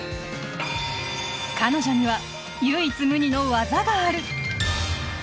彼女には唯一無二の技がある。